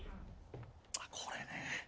あこれね。